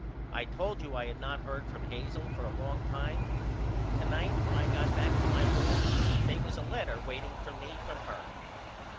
I told you I had not heard from Hazel for a longtime. To night when I got back to my room they was a letter waiting for me from her.